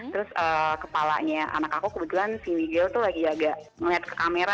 terus kepalanya anak aku kebetulan si wigel tuh lagi agak ngeliat ke kamera